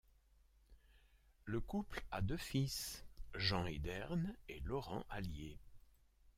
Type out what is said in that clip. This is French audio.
Le couple a deux fils, Jean-Edern et Laurent Hallier.